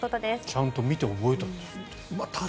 ちゃんと見て覚えたんですって。